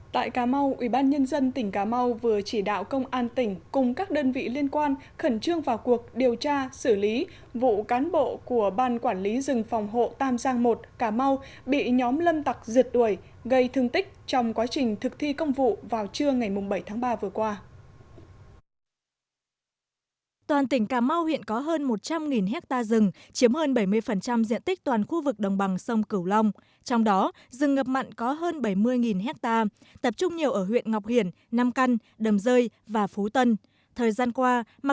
tại cà mau ubnd tỉnh cà mau vừa chỉ đạo công an tỉnh cùng các đơn vị liên quan khẩn trương vào cuộc điều tra xử lý vụ cán bộ của ban quản lý rừng phòng hộ tam giang i cà mau bị nhóm lâm tặc giật đuổi gây thương tích trong quá trình thực thi công vụ vào trưa ngày bảy tháng ba vừa qua